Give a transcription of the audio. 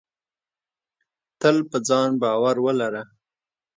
تل په ځان باور ولره.